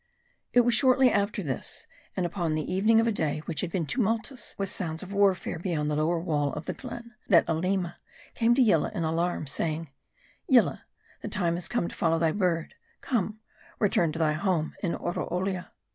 MARDI. 187 It was shortly after this, and upon the evening of a day which had been tumultuous with sounds of warfare beyond the lower wall of the glen ; that Aleema came to Yillah in alarm; saying "Yillah, the time has come to follow thy bird ; come, return to thy home in Oroolia."